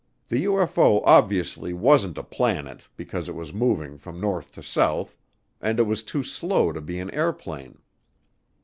The UFO obviously wasn't a planet because it was moving from north to south, and it was too slow to be an airplane.